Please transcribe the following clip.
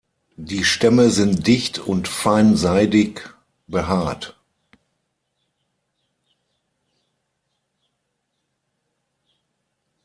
Die Stämme sind dicht und fein seidig behaart.